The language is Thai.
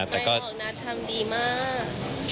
นัทนัทรัศน์ดีมาก